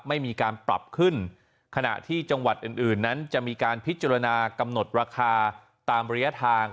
ไม่มีการปรับขึ้นขณะที่จังหวัดอื่นอื่นนั้นจะมีการพิจารณากำหนดราคาตามระยะทาง